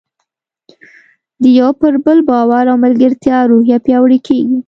د یو پر بل باور او ملګرتیا روحیه پیاوړې کیږي.